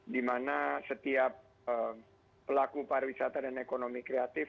di mana setiap pelaku pariwisata dan ekonomi kreatif